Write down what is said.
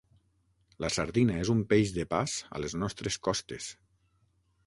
La sardina és un peix de pas a les nostres costes.